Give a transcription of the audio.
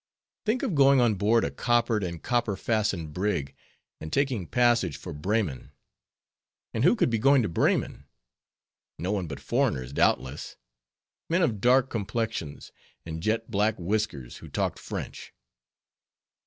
_ Think of going on board a coppered and copper fastened brig, and taking passage for Bremen! And who could be going to Bremen? No one but foreigners, doubtless; men of dark complexions and jet black whiskers, who talked French.